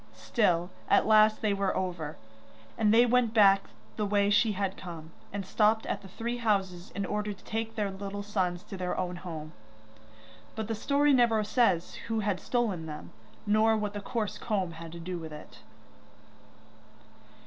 Still, at last they were over, and they went back the way she had come, and stopped at the three houses in order to take their little sons to their own home. But the story never says who had stolen them, nor what the coarse comb had to do with it.